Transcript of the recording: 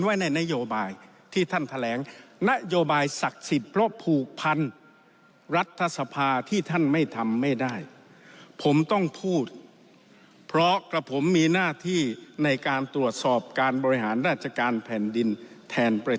ไว้ในนโยบายที่ท่านแถลงนโยบายศักษิภรภูคพันธ์